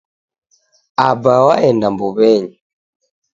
Aba waenda mbuwenyi